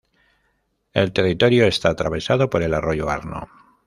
El territorio está atravesado por el arroyo Arno.